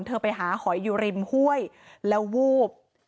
เธอไปหาหอยอยู่ริมห้วยแล้ววูบ